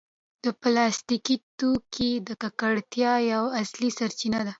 پلاستيکي توکي د ککړتیا یوه اصلي سرچینه ده.